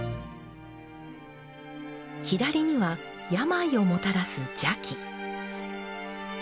左には病をもたらす邪鬼。